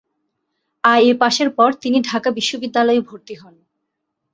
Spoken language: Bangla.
আই এ পাসের পর তিনি ঢাকা বিশ্ববিদ্যালয়ে ভর্তি হন।